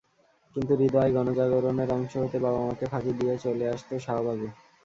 কিন্তু হৃদয় গণজাগরণের অংশ হতে বাবা-মাকে ফাঁকি দিয়ে চলে আসত শাহবাগে।